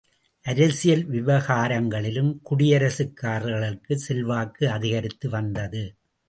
அரசியல் விவகாரங்களிலும் குடியரசுக்காரர்களுக்குச் செல்வாக்கு அதிகரித்து வந்தது.